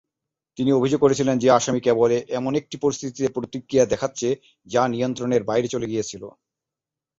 তিনি অভিযোগ করেছিলেন যে আসামী কেবল এমন একটি পরিস্থিতিতে প্রতিক্রিয়া দেখাচ্ছে যা নিয়ন্ত্রণের বাইরে চলে গিয়েছিল।